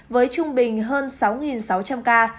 với trung bình hơn sáu sáu trăm linh ca